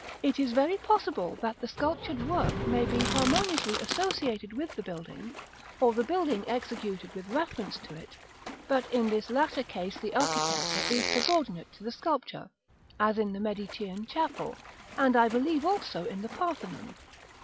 It is very possible that the sculptured work may be harmoniously associated with the building, or the building executed with reference to it; but in this latter case the architecture is subordinate to the sculpture, as in the Medicean chapel, and I believe also in the Parthenon.